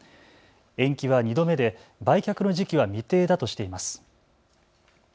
延期は２度目で売却の時期は未定だとしています。